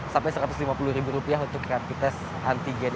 sembilan puluh sembilan sampai satu ratus lima puluh rupiah untuk kreatif tes antigen